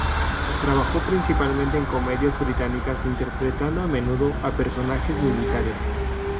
Trabajó principalmente en comedias británicas, interpretando a menudo a personajes militares.